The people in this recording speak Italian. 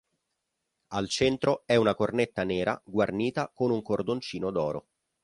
Al centro è una cornetta nera guarnita con un cordoncino d'oro.